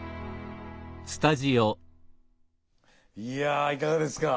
いやいかがですか？